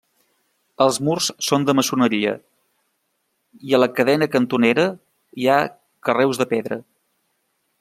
Els murs són de maçoneria, i a la cadena cantonera hi ha carreus de pedra.